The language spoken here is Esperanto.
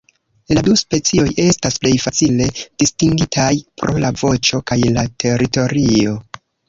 La du specioj estas plej facile distingitaj pro la voĉo kaj la teritorio.